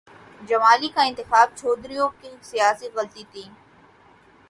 جمالی کا انتخاب چودھریوں کی سیاسی غلطی تھی۔